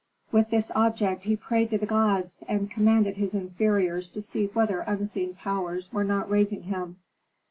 With this object he prayed to the gods, and commanded his inferiors to see whether unseen powers were not raising him.